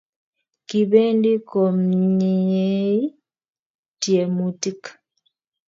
Kibendi komnyei tyemutik